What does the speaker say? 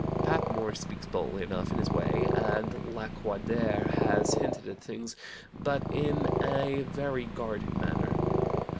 "Patmore speaks boldly enough, in his way, and Lacordaire has hinted at things, but in a very guarded manner.